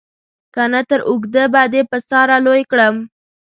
که نه تر اوږده به دې په ساره لوی کړم.